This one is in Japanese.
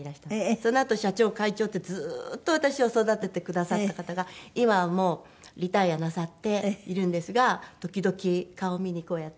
そのあと社長会長ってずーっと私を育ててくださった方が今はもうリタイアなさっているんですが時々顔を見にこうやって。